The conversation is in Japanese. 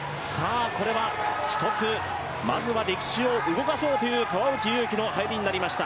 これは１つ、まずは歴史を動かそうという川内優輝の入りになりました。